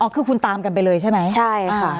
คือคุณตามกันไปเลยใช่ไหมใช่ค่ะ